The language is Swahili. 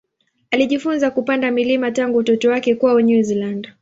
Alijifunza kupanda milima tangu utoto wake kwao New Zealand.